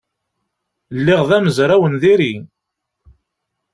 Lliɣ d amezraw n diri.